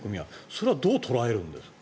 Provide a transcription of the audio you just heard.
それはどう捉えるんですか。